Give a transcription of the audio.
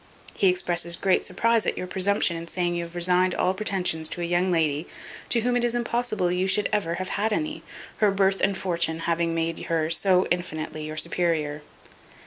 He expresses great surprize at your presumption in saying you have resigned all pretensions to a young lady, to whom it is impossible you should ever have had any, her birth and fortune having made her so infinitely your superior.